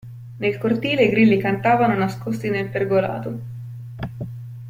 Nel cortile i grilli cantavano nascosti nel pergolato.